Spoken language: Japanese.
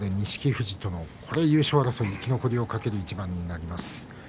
対決で錦富士優勝争い、生き残りを懸ける一番になります。